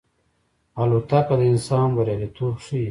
الوتکه د انسان بریالیتوب ښيي.